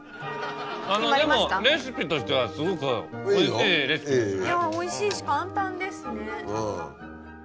あのでもレシピとしてはすごくおいしいレシピですよね。